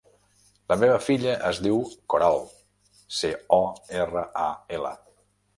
La meva filla es diu Coral: ce, o, erra, a, ela.